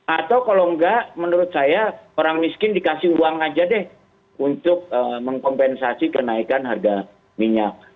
atau kalau enggak menurut saya orang miskin dikasih uang aja deh untuk mengkompensasi kenaikan harga minyak